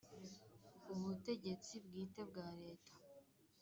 butegetsi bwite bwa leta